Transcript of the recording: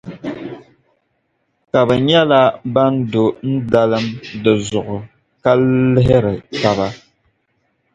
Ka bɛ nyɛla ban do n-dalim di zuɣu ka lihiri taba.